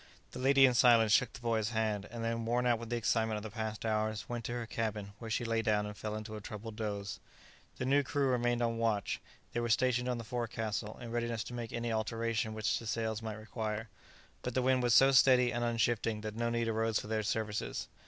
The lady, in silence, shook the boy's hand; and then, worn out with the excitement of the past hours, went to her cabin, where she lay down and fell into a troubled doze. The new crew remained on watch. They were stationed on the forecastle, in readiness to make any alteration which the sails might require, but the wind was so steady and unshifting that no need arose for their services.